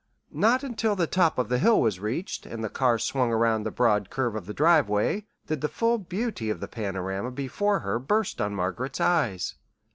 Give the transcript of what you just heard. Not until the top of the hill was reached, and the car swung around the broad curve of the driveway, did the full beauty of the panorama before her burst on Margaret's eyes.